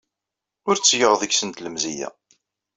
Ur ttgeɣ deg-sent lemzeyya.